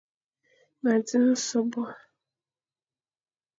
Ma dzeng sôbô.